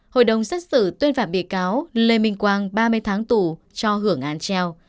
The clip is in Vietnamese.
hội đồng xét xử tuyên phạt bị cáo lê minh quang ba mươi tháng tù cho hưởng án treo